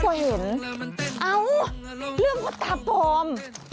กลัวเห็นเอ้าเรื่องคนตาปลอม